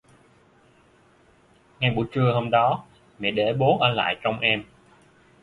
ngay buổi trưa hôm đó mẹ để bố ở lại trông em